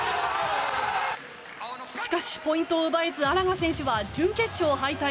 しかし、ポイントを奪えず荒賀選手は準決勝敗退。